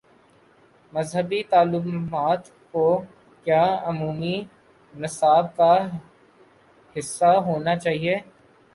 مذہبی تعلیمات کو کیا عمومی نصاب کا حصہ ہو نا چاہیے؟